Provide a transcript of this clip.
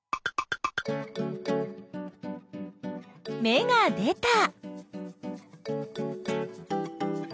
芽が出た！